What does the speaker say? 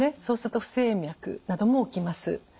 そうすると不整脈なども起きます。